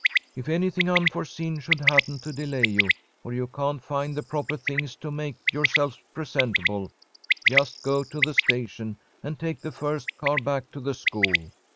If anything unforeseen should happen to delay you, or you can't find the proper things to make yourselves presentable, just go to the station and take the first car back to the school.